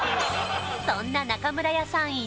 そんな中村屋さん